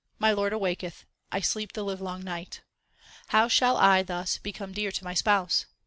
My Lord awaketh ; I sleep the livelong night. How shall I thus become dear to my Spouse ?